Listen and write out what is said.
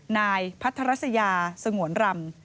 นายพัทรัสยาสงวนรำ